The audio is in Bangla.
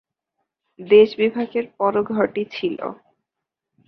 দেশ বিভাগের পরও ঘরটি ছিল।